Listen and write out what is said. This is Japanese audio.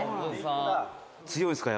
「強いですか？